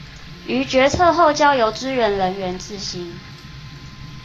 於決策後交由支援人員執行